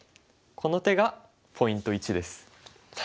この手がポイント１です。